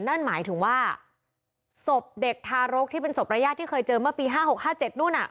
นั่นหมายถึงว่าศพเด็กทารกที่เป็นศพระญาติที่เคยเจอเมื่อปีห้าหกห้าเจ็ดนู่นน่ะ